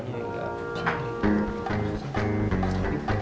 ini santrinya ustadz sepuh